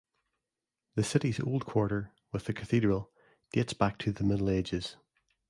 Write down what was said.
The city's old quarter, with the cathedral, dates back to the Middle Ages.